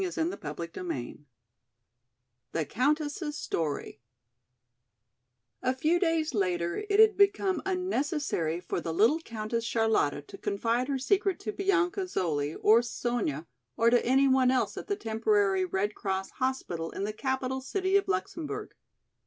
CHAPTER VIII The Countess's Story A FEW days later it had become unnecessary for the little Countess Charlotta to confide her secret to Bianca Zoli, or Sonya, or to any one else at the temporary Red Cross hospital in the capital city of Luxemburg.